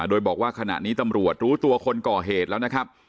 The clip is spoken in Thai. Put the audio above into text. โดยบอกว่าขณะนี้ตำรวจรู้ตัวคนก่อเหตุแล้วนะครับ